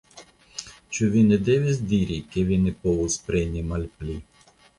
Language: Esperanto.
Ĉu vi ne devis diri ke vi ne povus preni malpli?